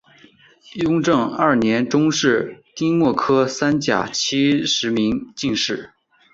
雍正二年中式丁未科三甲七十名进士。